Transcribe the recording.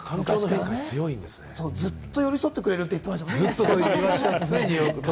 ずっと寄り添ってくれるって言ってましたもんね。